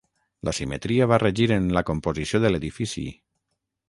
La simetria va regir en la composició de l'edifici.